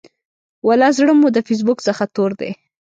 ولا زړه مو د فیسبوک څخه تور دی.